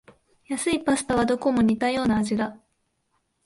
安いパスタはどこも似たような味だ